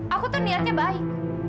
aku tuh niatnya baik